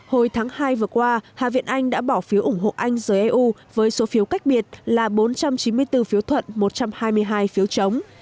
hồi tháng hai vừa qua hạ viện anh đã bỏ phiếu ủng hộ anh giới eu với số phiếu cách biệt là bốn trăm chín mươi bốn phiếu thuận một trăm hai mươi hai phiếu chống